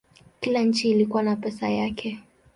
Kila nchi ilikuwa na pesa yake.